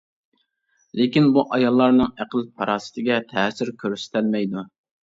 لېكىن بۇ ئاياللارنىڭ ئەقىل-پاراسىتىگە تەسىر كۆرسىتەلمەيدۇ.